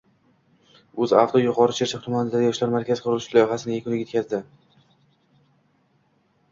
UzAuto Yuqori Chirchiq tumanida yoshlar markazi qurilishi loyihasini yakuniga yetkazdi